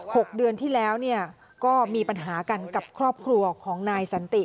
หกเดือนที่แล้วเนี่ยก็มีปัญหากันกับครอบครัวของนายสันติ